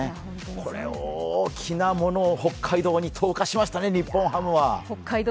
これ大きなものを北海道に投下しましたね、日本ハムは。